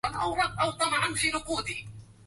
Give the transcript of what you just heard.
لا احد ينصت لي.